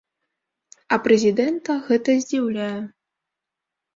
А прэзідэнта гэта здзіўляе.